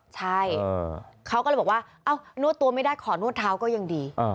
ใช่เขาก็เลยบอกว่าเอ้านวดตัวไม่ได้ขอนวดเท้าก็ยังดี